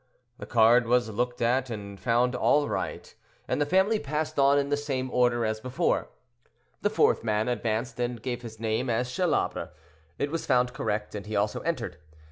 The card was looked at and found all right, and the family passed on in the same order as before. The fourth man advanced and gave his name as Chalabre. It was found correct, and he also entered.